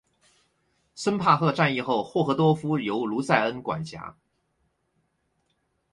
森帕赫战役后霍赫多夫由卢塞恩管辖。